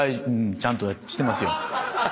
ちゃんとしてますよ。